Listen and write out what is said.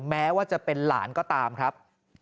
แม้ว่าจะเป็นหลานก็ตามครับ